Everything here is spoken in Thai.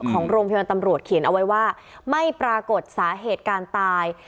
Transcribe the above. ของโรงพยาบาลตำรวจเขียนเอาไว้ว่าไม่ปรากฏสาเหตุการตาย